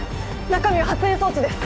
中身は発煙装置です！